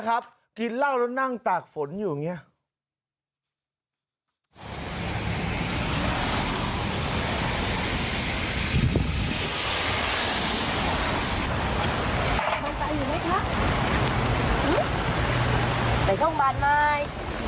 กินเหล้าแล้วนั่งตากฝนอยู่อย่างนี้